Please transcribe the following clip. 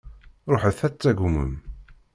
Ruḥet ad d-tagmem.